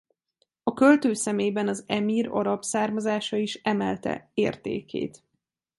A költő szemében az emír arab származása is emelte értékét.